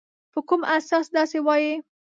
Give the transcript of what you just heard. په کوم اساس داسي وایې ؟